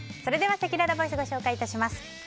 せきららボイスご紹介します。